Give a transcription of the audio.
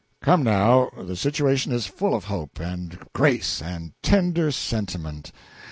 Come, now, the situation is full of hope, and grace, and tender sentiment.